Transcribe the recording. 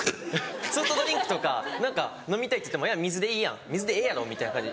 ソフトドリンクとか何か飲みたいって言っても水でいいやん水でええやろみたいな感じ